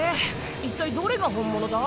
一体どれが本物だ？